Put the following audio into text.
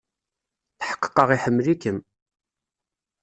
Tḥeqqeɣ iḥemmel-ikem.